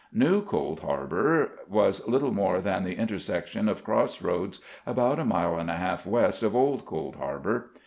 New Cold Harbor was little more than the intersection of cross roads about a mile and a half west of Old Cold Harbor.